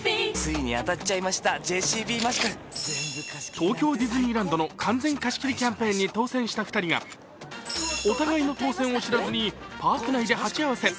東京ディズニーランドの完全貸し切りキャンペーンに当選した２人がお互いの当選を知らずにパーク内で鉢合わせ。